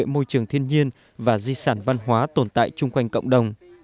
môi trường thiên nhiên và di sản văn hóa tồn tại chung quanh cộng đồng